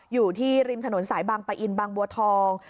อยู่ที่ริมถนนสายบางปะอินบางบัวทอง